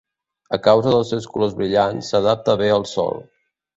A causa dels seus colors brillants, s'adapta bé al sol.